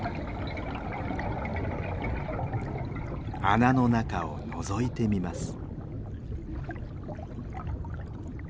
穴の中をのぞいてみます。